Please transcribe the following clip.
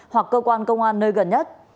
hoặc cơ quan công an nơi gần nhất